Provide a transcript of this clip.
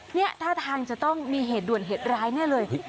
เนี่ยท่าทางจะต้องมีเหตุด่วนเหตุร้ายแน่เลย